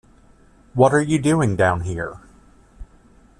What are you doing down here?